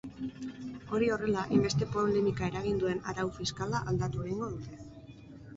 Hori horrela, hainbeste polemika eragin duen arau fiskala aldatu egingo dute.